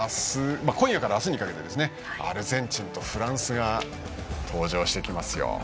今夜から明日にかけてアルゼンチンとフランスが登場しますよ。